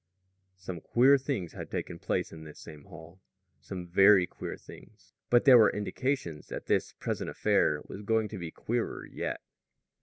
Some queer things had taken place in this same hall some very queer things; but there were indications that this present affair was going to be queerer yet.